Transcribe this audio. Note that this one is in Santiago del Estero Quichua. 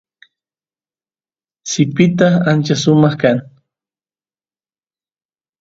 sipitas ancha sumaq kan